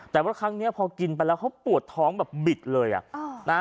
แต่พอครั้งนี้พอกินไปแล้วเขาปวดท้องปุดเลยอะ